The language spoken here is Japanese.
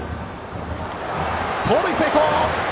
盗塁成功！